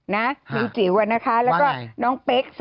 นิ๊วจิ๋วแล้วก็น้องเป๊ก